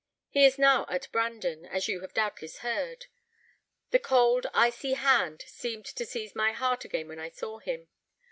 He is now at Brandon, as you have doubtless heard. The cold, icy hand seemed to seize my heart again when I saw him.